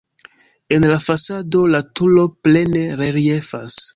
En la fasado la turo plene reliefas.